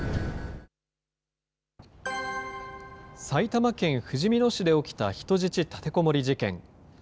埼玉県ふじみ野市で起きた人質立てこもり事件。